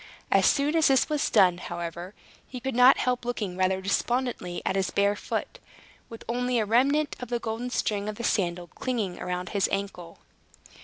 As soon as this was done, however, he could not help looking rather despondently at his bare foot, with only a remnant of the golden string of the sandal clinging round his ankle.